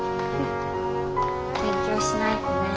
勉強しないとね。